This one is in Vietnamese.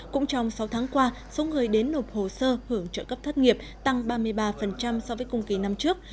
cũng trong sáu tháng qua số người đến nộp hồ sơ hưởng trợ cấp thất nghiệp tăng ba mươi ba so với cùng kỳ năm trước